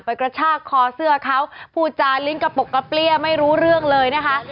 กระชากคอเสื้อเขาพูดจาลิ้นกระปกกระเปรี้ยไม่รู้เรื่องเลยนะคะ